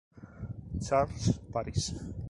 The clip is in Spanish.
Charles Parish.